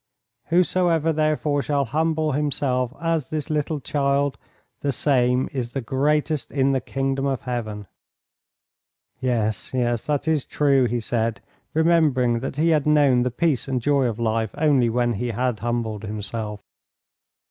Whosoever therefore shall humble himself as this little child the same is the greatest in the Kingdom of Heaven." "Yes, yes, that is true," he said, remembering that he had known the peace and joy of life only when he had humbled himself.